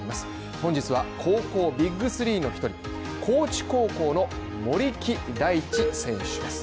本日は、高校ビッグ３の１人、高知高校の森木大智選手。